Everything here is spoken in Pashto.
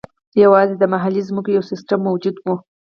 یوازې د محلي ځمکو یو سیستم موجود و.